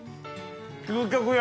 究極や！